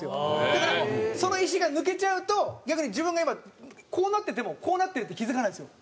だからその石が抜けちゃうと逆に自分が今こうなっててもこうなってるって気付かないんですよ。